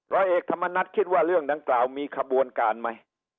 ร้อยเอกธรรมนัฐคิดว่าเรื่องดังกล่าวมีขบวนการไหม